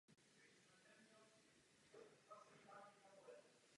Maják je uzavřen.